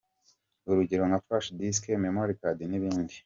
Urugero nka Flash disk, Memory Card, n’ibindi.